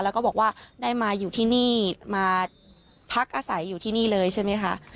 แล้วก็บอกว่าได้มาอยู่ที่นี่มาพักอาศัยอยู่ที่นี่เลยใช่ไหมคะ